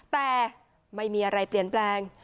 แต่ไม่มีอะไรเปลี่ยนแปลง